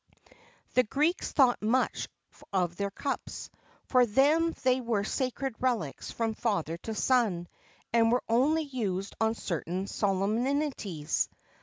[XXVII 13] The Greeks thought much of their cups; for them they were sacred relics from father to son, and were only used on certain solemnities.